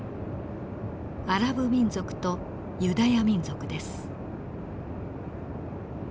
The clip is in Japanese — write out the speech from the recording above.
アラブ民族とユダヤ民族です。